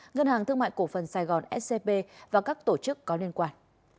ngân hàng thương mại cổ phần sài gòn scb và các tổ chức có liên quan